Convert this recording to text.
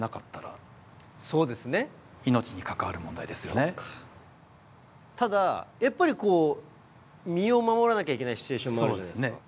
じゃあ例えばただやっぱりこう身を守らなきゃいけないシチュエーションもあるじゃないですか。